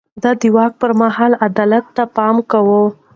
ده د واک پر مهال عدل ته پام کاوه.